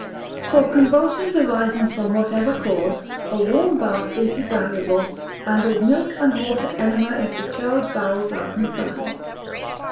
For convulsions arising from whatever cause, a warm bath is desirable, and a milk and water enema, if the child's bowels are confined.